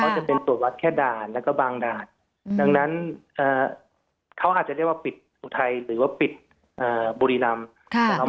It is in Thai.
เขาจะเป็นตรวจวัดแค่ด่านแล้วก็บางด่านดังนั้นเขาอาจจะเรียกว่าปิดอุทัยหรือว่าปิดบุรีรำ